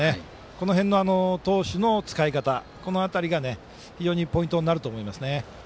この辺の投手の使い方が非常にポイントになると思います。